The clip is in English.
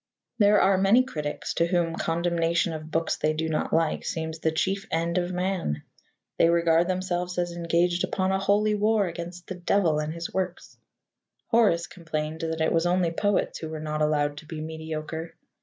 There are many critics to whom condemnation of books they do not like seems the chief end of man. They regard themselves as engaged upon a holy war against the Devil and his works. Horace complained that it was only poets who were not allowed to be mediocre.